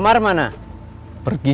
umar dan brudus